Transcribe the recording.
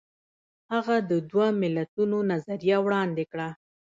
هغه د دوه ملتونو نظریه وړاندې کړه.